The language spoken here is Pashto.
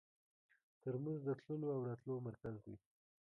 ترموز د تللو او راتلو ملګری دی.